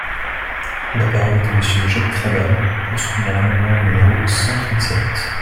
La parole est à Monsieur Jacques Krabal, pour soutenir l’amendement numéro cent trente-sept.